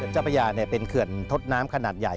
เจ้าพระยาเป็นเขื่อนทดน้ำขนาดใหญ่